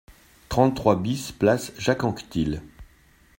trente-trois BIS place Jacques Anquetil